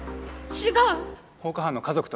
違う！